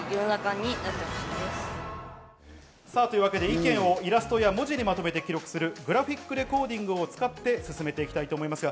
意見をイラストや文字でまとめて記録する、グラフィックレコーディングを使って進めていきたいと思います。